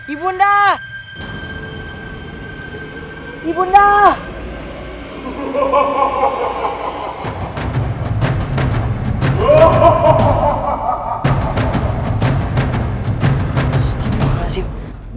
ibunda ibunda ibunda ibunda ibunda ibunda horribly